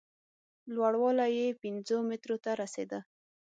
لوړوالی یې پینځو مترو ته رسېده.